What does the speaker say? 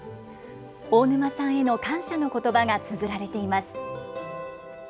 大沼さんへの感謝のことばがつづられています。